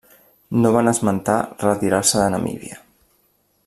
No van esmentar retirar-se de Namíbia.